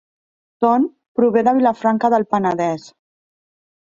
Ton prové de Vilafranca del Penedès